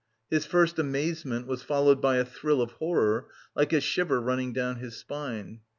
His first amazement was followed by a thrill of horror, like a shiver running down his spine.